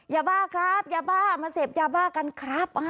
ยาบ้าครับยาบ้ามาเสพยาบ้ากันครับ